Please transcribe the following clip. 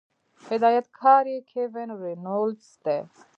هدايتکار ئې Kevin Reynolds دے